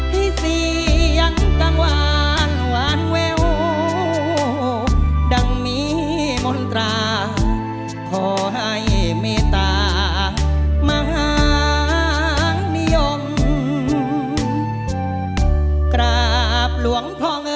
ที่หวานระทัง